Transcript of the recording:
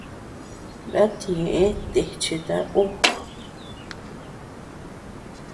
Ndata ñeʼe techeta ú.